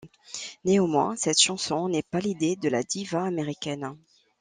Néanmoins, cette chanson n'est pas l'idée de la diva américaine.